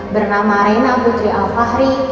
bernama reina putri alvari